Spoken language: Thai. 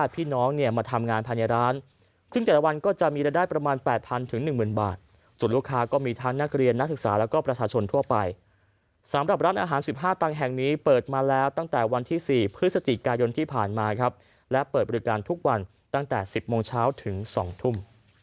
พี่น้องเนี่ยมาทำงานภายในร้านซึ่งแต่ละวันก็จะมีรายได้ประมาณ๘๐๐๑๐๐บาทส่วนลูกค้าก็มีทั้งนักเรียนนักศึกษาแล้วก็ประชาชนทั่วไปสำหรับร้านอาหาร๑๕ตังค์แห่งนี้เปิดมาแล้วตั้งแต่วันที่๔พฤศจิกายนที่ผ่านมาครับและเปิดบริการทุกวันตั้งแต่๑๐โมงเช้าถึง๒ทุ่ม